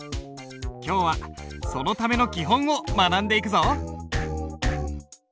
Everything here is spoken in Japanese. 今日はそのための基本を学んでいくぞ。